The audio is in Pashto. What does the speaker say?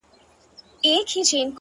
• چي را لوی سم په کتاب کي مي لوستله ,